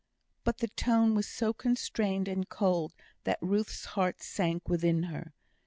But the tone was so constrained and cold, that Ruth's heart sank within her.